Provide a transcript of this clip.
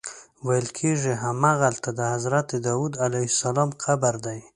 ویل کېږي همغلته د حضرت داود علیه السلام قبر دی.